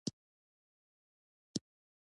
اوږده غرونه د افغانستان د سیاسي جغرافیه برخه ده.